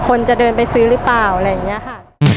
คนจะเดินไปซื้อหรือเปล่าอะไรอย่างนี้ค่ะ